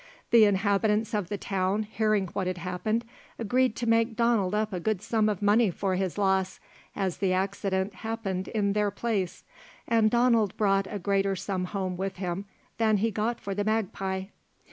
The inhabitants of the town hearing what had happened, agreed to make Donald up a good sum of money for his loss, as the accident happened in their place, and Donald brought a greater sum home with him than he got for the magpie.